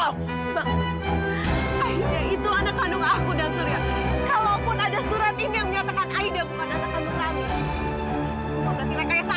abang aida itu anak kandung aku dan surya kalaupun ada surat ini menyatakan aida bukan anak kandung rania